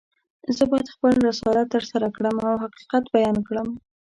زه باید خپل رسالت ترسره کړم او حقیقت بیان کړم.